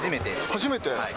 初めて？